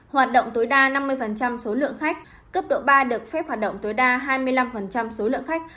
hoạt động tối đa năm mươi số lượng khách cấp độ ba được phép hoạt động tối đa hai mươi năm số lượng khách